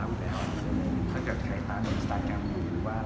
ปกติมีโอกาสได้ชอบไหมครับ